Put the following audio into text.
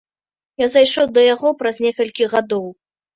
Я зайшоў да яго праз некалькі гадоў.